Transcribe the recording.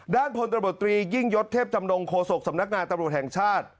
พลตำรวจตรียิ่งยศเทพจำนงโฆษกสำนักงานตำรวจแห่งชาติ